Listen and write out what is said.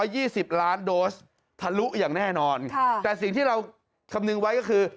อย่างแน่นอนแต่สิ่งที่เราคำนึงไว้ก็คือ